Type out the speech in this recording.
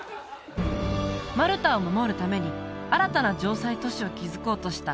マルタを守るために新たな城塞都市を築こうとした